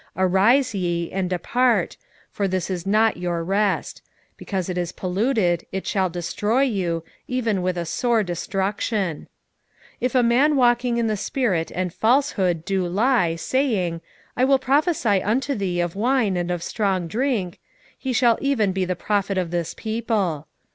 2:10 Arise ye, and depart; for this is not your rest: because it is polluted, it shall destroy you, even with a sore destruction. 2:11 If a man walking in the spirit and falsehood do lie, saying, I will prophesy unto thee of wine and of strong drink; he shall even be the prophet of this people.